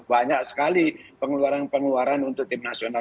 banyak sekali pengeluaran pengeluaran untuk timnasional